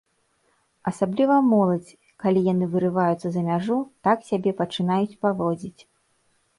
Асабліва моладзь, калі яны вырываюцца за мяжу, так сябе пачынаюць паводзіць.